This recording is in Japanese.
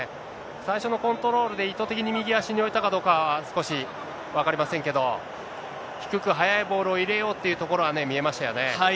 最初のコントロールで意図的に右足に置いたかというのは少し分かりませんけど、低く速いボールを入れようっていうところはね、見えましたよね。